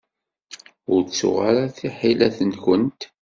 Ur ttuɣ ara tiḥilet-nwent.